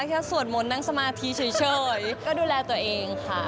สวดมนต์นั่งสมาธิเฉยก็ดูแลตัวเองค่ะ